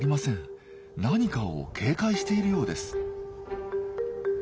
何かを警戒しているようです。